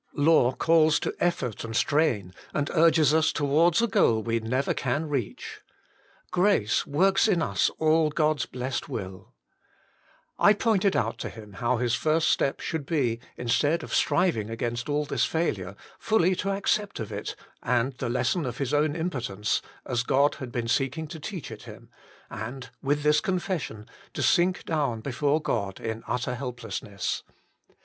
Law calls to effort and strain, and urges us towards a goal we never can reach ; grace works in us all God s blessed will I pointed out to him how his first step 80 THE MINISTRY OF INTERCESSION should be, instead of striving against all this failure, fully to accept of it, and the lesson of his own impotence, as God had been seeking to teach it him, and, with this confession, to sink down before God in utter helplessness.